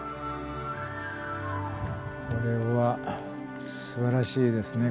これはすばらしいですね。